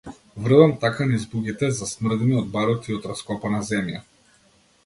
Врвам така низ буките, засмрдени од барут и од раскопана земја.